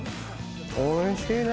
おいしいね！